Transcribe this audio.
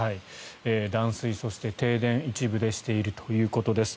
断水、そして停電を一部でしているということです。